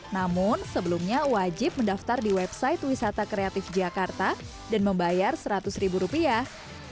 namun sebelumnya wajib mendaftar di website wisata kreatif jakarta dan membayar seratus ribu rupiah